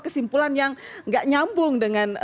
kesimpulan yang nggak nyambung dengan